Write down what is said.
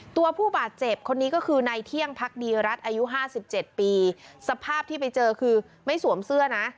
ตัวผู้บาดเจ็บคนนี้ก็คือในเที่ยงพักดีรัฐอายุห้าสิบเจ็ดปีสภาพที่ไปเจอคือไม่สวมเสื้อนะ